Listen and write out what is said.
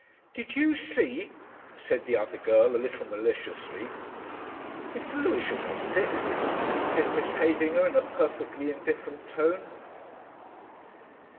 "Did you see?" said the other girl, a little maliciously. "Mr. Lewisham wasn't it?" said Miss Heydinger in a perfectly indifferent tone.